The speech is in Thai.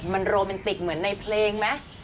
มันโรแมนติกเหมือนในเพลงไหม